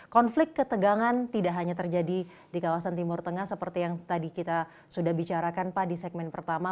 konflik ketegangan tidak hanya terjadi di kawasan timur tengah seperti yang tadi kita sudah bicarakan pak di segmen pertama